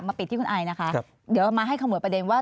ปิดที่คุณไอนะคะเดี๋ยวมาให้ขโมยประเด็นว่า